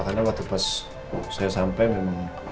karena waktu pas saya sampe memang